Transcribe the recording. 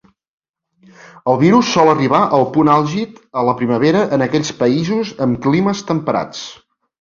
El virus sol arribar al punt àlgid a la primavera en aquells països amb climes temperats.